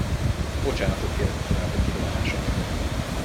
Bocsánatot kérek a korábbi kirohanásomért.